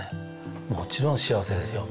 もちろん幸せですよ。